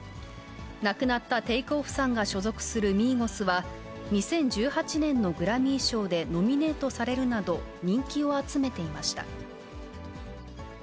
亡くなったテイクオフさんが所属するミーゴスは、２０１８年のグラミー賞でノミネートされるなど、人気を集めていました。